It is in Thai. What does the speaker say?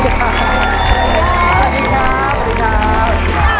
สวัสดีครับ